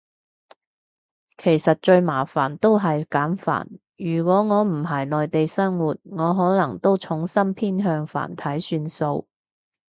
其實最麻煩都係簡繁，如果我唔係内地生活，我可能都重心偏向繁體算數